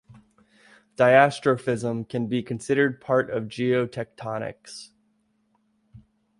Diastrophism can be considered part of geotectonics.